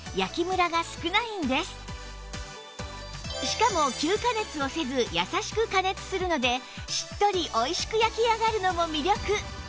しかも急加熱をせずやさしく加熱するのでしっとりおいしく焼き上がるのも魅力！